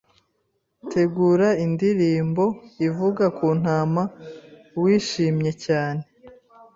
Tegura indirimbo ivuga ku Ntama wishimye cyane